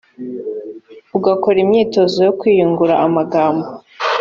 ugakora imyitozo yo kwiyungura amagambo